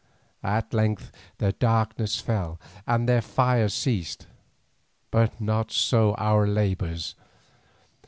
At length the darkness fell and their fire ceased, but not so our labours.